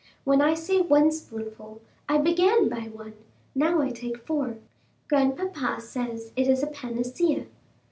When I say one spoonful, I began by one—now I take four. Grandpapa says it is a panacea."